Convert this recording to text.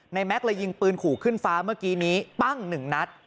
แม็กซ์เลยยิงปืนขู่ขึ้นฟ้าเมื่อกี้นี้ปั้งหนึ่งนัด